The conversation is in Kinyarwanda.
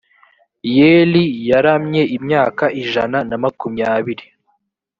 yeli yaramye imyaka ijana na makumyabiri